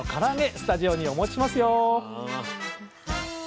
スタジオにお持ちしますよ！